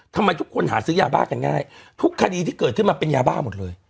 ทำไมทุกคนหาซื้อยาบ้ากันง่ายทุกคดีที่เกิดขึ้นมาเป็นยาบ้าหมดเลย